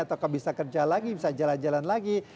atau bisa kerja lagi bisa jalan jalan lagi